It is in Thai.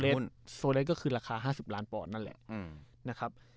ซอเลสซอเลสก็คือราคา๕๐ล้านปอนด์นะเลยนะครับ